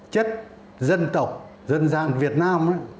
chất dân tộc dân gian việt nam